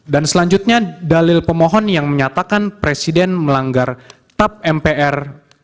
dan selanjutnya dalil pemohon yang menyatakan presiden melanggar tap mpr